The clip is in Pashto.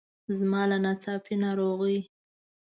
زما له ناڅاپي ناروغۍ.